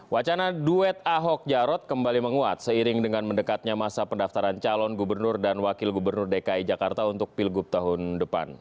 wacana duet ahok jarot kembali menguat seiring dengan mendekatnya masa pendaftaran calon gubernur dan wakil gubernur dki jakarta untuk pilgub tahun depan